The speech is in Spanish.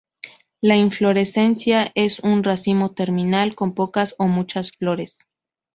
La inflorescencia es un racimo terminal con pocas a muchas flores.